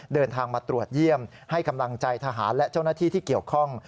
เดินทางมาตรวจเยี่ยมให้กำลังใจทหารและเจ้าหน้าที่ที่เกี่ยวข้อง